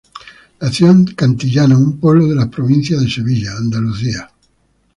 Nació en Cantillana, un pueblo de la provincia de Sevilla, Andalucía.